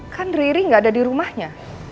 kan riri nggak ada di rumahnya